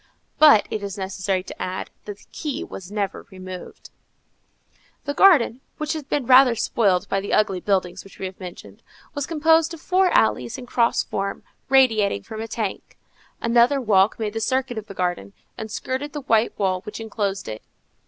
But it is necessary to add, that the key was never removed. The garden, which had been rather spoiled by the ugly buildings which we have mentioned, was composed of four alleys in cross form, radiating from a tank. Another walk made the circuit of the garden, and skirted the white wall which enclosed it.